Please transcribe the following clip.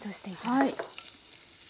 はい。